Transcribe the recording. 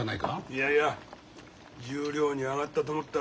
いやいや十両に上がったと思ったら落ちるし。